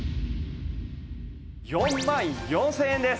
４万４０００円です！